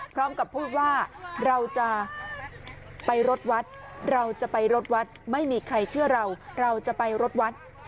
พร้อมกับพูดว่าเราจะไปรถวัดเราจะไปรถวัดไม่มีใครเชื่อเราเราจะไปรถวัด